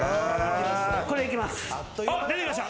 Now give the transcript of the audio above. これでいきます。